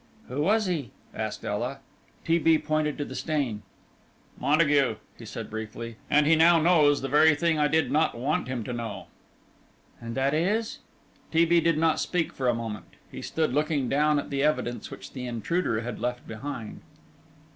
"Who was he?" asked Ela. T. B. pointed to the stain. "Montague," he said, briefly, "and he now knows the very thing I did not wish him to know." "And that is?" T. B. did not speak for a moment. He stood looking down at the evidence which the intruder had left behind.